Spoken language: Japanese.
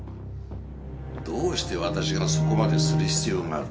どうして私がそこまでする必要がある？